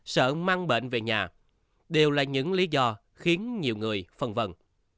sợ mang bệnh về nhà đều là những lý do khiến nhiều người phân vân